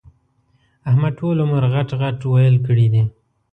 احمد ټول عمر غټ ِغټ ويل کړي دي.